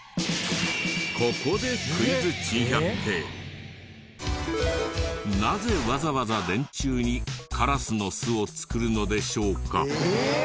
ここでなぜわざわざ電柱にカラスの巣を作るのでしょうか？